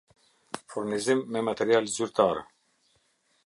Furnizim me material zyrtare